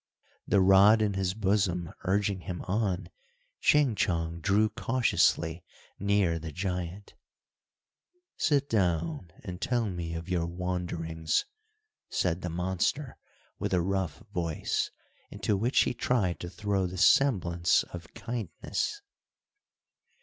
The rod in his bosom urging him on, Ching Chong drew cautiously near the giant. "Sit down, and tell me of your wanderings," said the monster, with a rough voice, into which he tried to throw the semblance of kindness.